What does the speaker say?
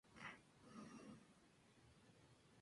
Los demás ocupantes de la nave fallecieron en el instante.